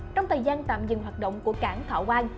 trong thời gian tạm dừng hoạt động của cảng thọ quang